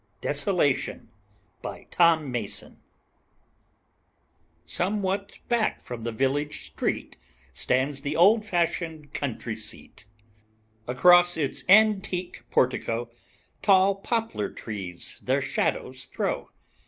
DESOLATION BY TOM MASSON Somewhat back from the village street Stands the old fashioned country seat. Across its antique portico Tall poplar trees their shadows throw.